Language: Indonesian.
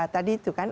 tadi itu kan